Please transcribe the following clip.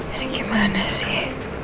ini gimana sih